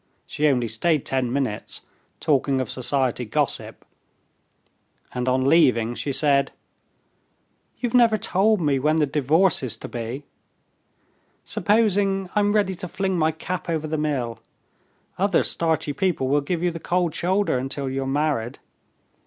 She only stayed ten minutes, talking of society gossip, and on leaving she said: "You've never told me when the divorce is to be? Supposing I'm ready to fling my cap over the mill, other starchy people will give you the cold shoulder until you're married.